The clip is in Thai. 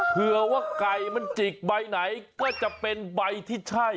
เผื่อว่าไก่มันจิกใบไหนก็จะเป็นใบที่ใช่